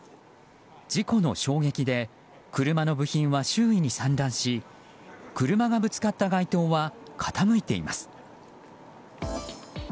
事故の衝撃で車の部品は周囲に散乱し車がぶつかった街灯は傾いています。